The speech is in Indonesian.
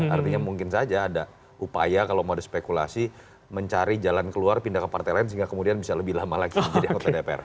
artinya mungkin saja ada upaya kalau mau dispekulasi mencari jalan keluar pindah ke partai lain sehingga kemudian bisa lebih lama lagi menjadi anggota dpr